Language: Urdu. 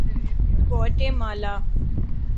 گواٹے مالا